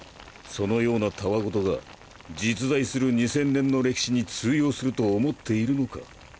そのような戯言が実在する二千年の歴史に通用すると思っているのか？